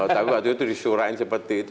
tapi waktu itu disurahin seperti itu